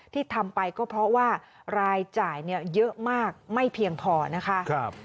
ที่ทำไปก็เพราะว่ารายจ่ายเยอะมากไม่เพียงพอนะคะ